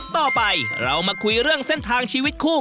ต่อไปเรามาคุยเรื่องเส้นทางชีวิตคู่